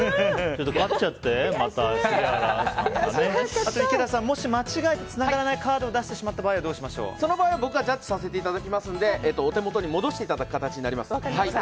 勝っちゃって、杉原さんが。いけださん、もし間違えてつながらないカードを出してしまった場合はその場合は僕がジャッジさせていただきますのでお手元に戻していただく形になります。